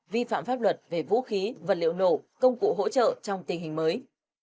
vi phạm pháp luật về vũ khí vật liệu nổ công cụ hỗ trợ trong tình hình mới